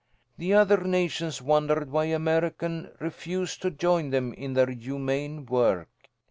"The other nations wondered why America refused to join them in their humane work.